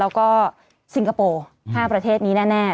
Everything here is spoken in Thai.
แล้วก็ซิงคโปร์๕ประเทศนี้แน่